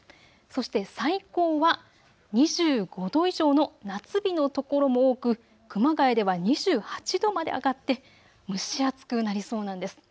そして最高は２５度以上の夏日の所も多く熊谷では２８度まで上がって蒸し暑くなりそうなんです。